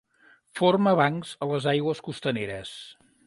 Forma bancs a les aigües costaneres.